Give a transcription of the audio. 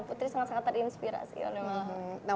putri sangat sangat terinspirasi oleh malah